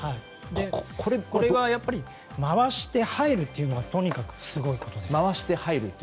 これがやっぱり回して入るというのがとにかくすごいことです。